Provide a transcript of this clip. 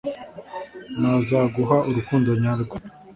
nazaguha urukundo nyarwo